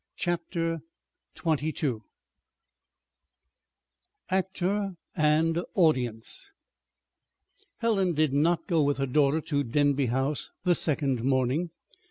CHAPTER XXII ACTOR AND AUDIENCE Helen did not go with her daughter to Denby House the second morning.